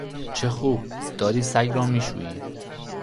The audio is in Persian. چه خوب! داری سگ را میشوئی.